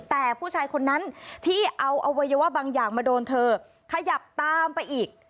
แต่ผู้ชายคนนั้นที่เอาอวัยวะบางอย่างมาโดนเธอขยับตามไปอีก